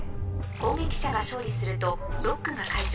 攻撃者が勝利するとロックが解除。